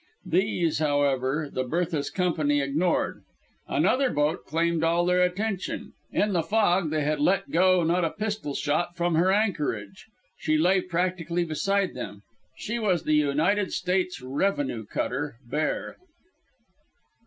These, however, the Bertha's company ignored. Another boat claimed all their attention. In the fog they had let go not a pistol shot from her anchorage. She lay practically beside them. She was the United States revenue cutter _Bear.